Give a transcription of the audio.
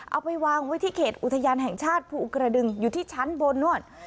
เอาไปวางไว้ที่เขตอุทยานแห่งชาติภูกระดึงอยู่ที่ชั้นบนโน่น